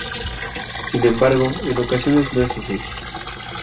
Sin embargo, en ocasiones no es así.